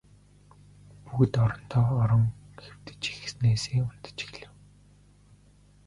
Бүгд орондоо орон хэвтэж эхнээсээ унтаж эхлэв.